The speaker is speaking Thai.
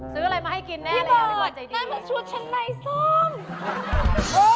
ซื้ออะไรมาให้กินแน่เลยเอาในวันใจดีพี่บอลนั่นมันชุดชะไนซ่ม